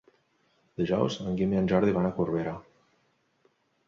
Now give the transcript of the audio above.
Dijous en Guim i en Jordi van a Corbera.